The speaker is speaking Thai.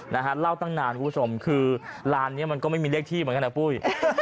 นะฮะเล่าตั้งนานคุณผู้ชมคือร้านนี้มันก็ไม่มีเลขที่เหมือนกันนะปุ้ย